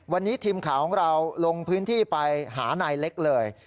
วันนี้ทีมข่าวของเราลงพื้นที่ไปหานายเล็กเลย